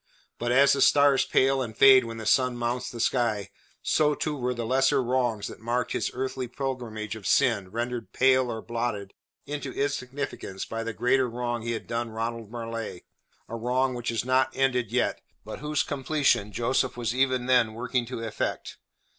But as the stars pale and fade when the sun mounts the sky, so too were the lesser wrongs that marked his earthly pilgrimage of sin rendered pale or blotted into insignificance by the greater wrong he had done Ronald Marleigh a wrong which was not ended yet, but whose completion Joseph was even then working to effect.